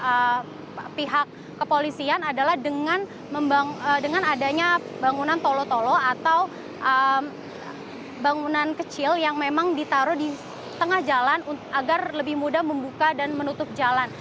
dari pihak kepolisian adalah dengan adanya bangunan tolo tolo atau bangunan kecil yang memang ditaruh di tengah jalan agar lebih mudah membuka dan menutup jalan